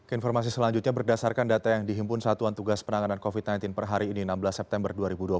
informasi selanjutnya berdasarkan data yang dihimpun satuan tugas penanganan covid sembilan belas per hari ini enam belas september dua ribu dua puluh